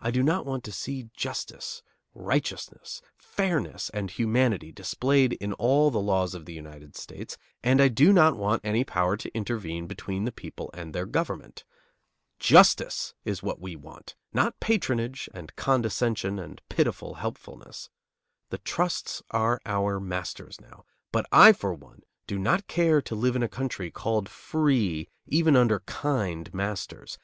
I want to see justice, righteousness, fairness and humanity displayed in all the laws of the United States, and I do not want any power to intervene between the people and their government. Justice is what we want, not patronage and condescension and pitiful helpfulness. The trusts are our masters now, but I for one do not care to live in a country called free even under kind masters.